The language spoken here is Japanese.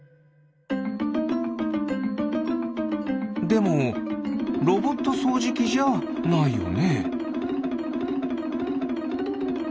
でもロボットそうじきじゃないよね。